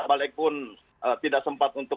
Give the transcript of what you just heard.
balik pun tidak sempat untuk